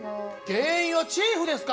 原因はチーフですか！？